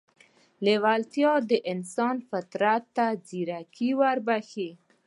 لېوالتیا د انسان فطرت ته ځيرکي وربښي.